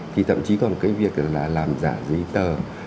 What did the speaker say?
thì thậm chí còn cái việc là làm giả giấy tờ